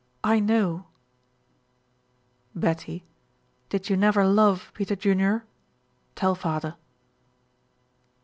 I know." "Betty, did you never love Peter Junior? Tell father."